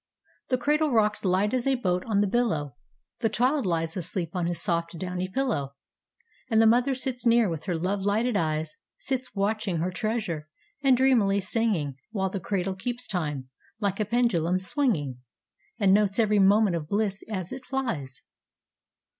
The cradle rocks light as a boat on the billow, The child lies asleep on his soft, downy pillow, And the mother sits near with her love lighted eyes, Sits watching her treasure, and dreamily singing, While the cradle keeps time, like a pendulum swinging, And notes every moment of bliss as it flies.